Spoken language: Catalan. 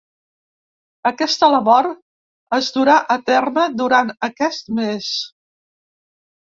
Aquesta labor es durà a terme durant aquest mes.